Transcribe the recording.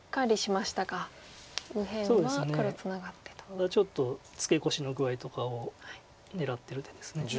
まだちょっとツケコシの具合とかを狙ってる手です。